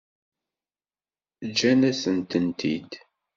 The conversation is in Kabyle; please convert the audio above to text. Ǧǧan-asent-tent-id?